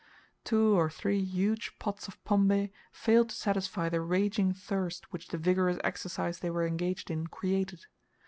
Two or three huge pots of pombe failed to satisfy the raging thirst which the vigorous exercise they were engaged in, created.